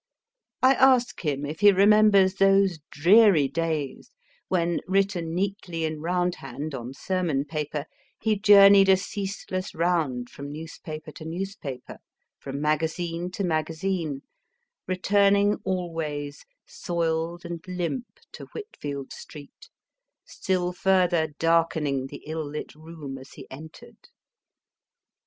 I ask him if he remembers those dreary days when, written neatly in round hand on sermon paper, he journeyed a ceaseless round from newspaper to newspaper, from magazine to magazine, returning always soiled and limp to Whitfield Street, still further darkening the ill lit room as he entered.